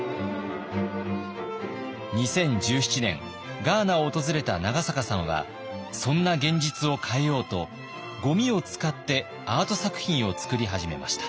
２０１７年ガーナを訪れた長坂さんはそんな現実を変えようとごみを使ってアート作品を作り始めました。